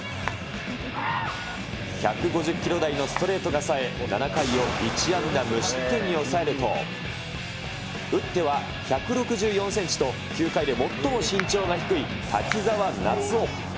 １５０キロ台のストレートがさえ、７回を１安打無失点に抑えると、うっては１６４センチと、球界で最も身長が低い滝澤夏央。